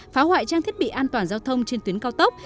phá hoại trang thiết bị an toàn giao thông trên tuyến cao tốc